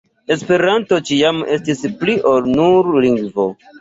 Esperanto ĉiam estis pli ol nur lingvo.